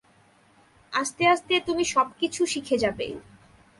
আস্তে আস্তে, তুমি সবকিছু শিখে যাবে।